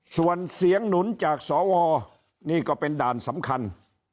ส่วนเสียงหนุนจากสวนี่ก็เป็นด่านสำคัญ